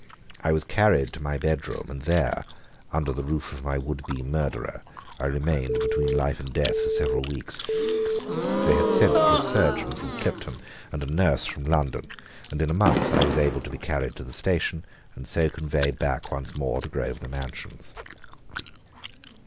I was carried to my bedroom, and there, under the roof of my would be murderer, I remained between life and death for several weeks. They had sent for a surgeon from Clipton and a nurse from London, and in a month I was able to be carried to the station, and so conveyed back once more to Grosvenor Mansions.